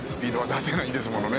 出せないですね。